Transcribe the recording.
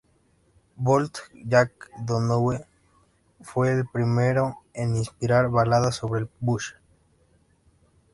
Bold Jack Donohue fue el primero en inspirar baladas sobre el "bush".